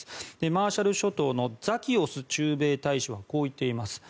マーシャル諸島のザキオス駐米大使はこう言っています。